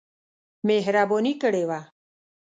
مهرباني کړې وه.